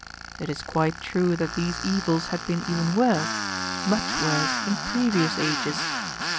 It is quite true that these evils had been even worse, much worse, in previous ages.